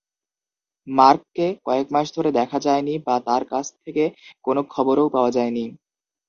মার্ককে কয়েক মাস ধরে দেখা যায়নি বা তার কাছ থেকে কোনো খবরও পাওয়া যায়নি।